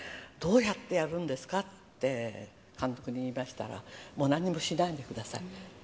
どうやってやるんですかって、監督に言いましたら、もう何もしないでください。